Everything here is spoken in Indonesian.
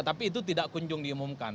tapi itu tidak kunjung diumumkan